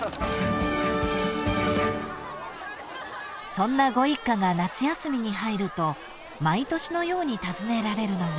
［そんなご一家が夏休みに入ると毎年のように訪ねられるのが］